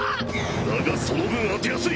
だがその分当てやすい！